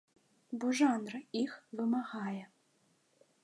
Бо жанр іх вымагае.